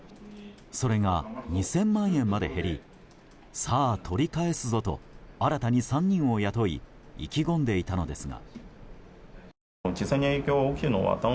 それが２０００万円まで減りさあ、取り返すぞと新たに３人を雇い意気込んでいたのですが。